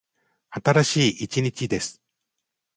新しい一日です。